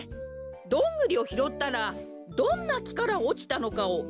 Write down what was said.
どんぐりをひろったらどんなきからおちたのかをみあげてみましょう。